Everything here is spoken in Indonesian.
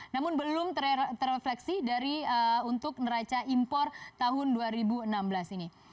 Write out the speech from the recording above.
namun belum terefleksi untuk neraca impor tahun dua ribu enam belas ini